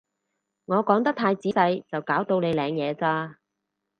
我講得太仔細就搞到你領嘢咋